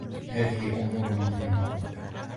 هذه أمور مهمة.